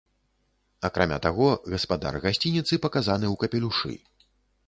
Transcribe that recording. Акрамя таго, гаспадар гасцініцы паказаны ў капелюшы.